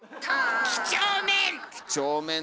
きちょうめん！